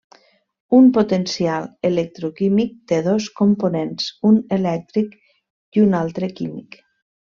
Un potencial electroquímic té dos components, un elèctric i un altre químic.